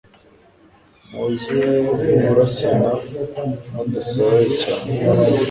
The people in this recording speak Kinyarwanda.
Muze kurasana mudasaraye cyane